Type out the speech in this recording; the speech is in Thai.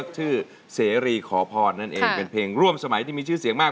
ชื่อเสรีขอพรนั่นเองเป็นเพลงร่วมสมัยที่มีชื่อเสียงมาก